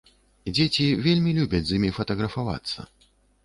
Дзеці вельмі любяць з імі фатаграфавацца.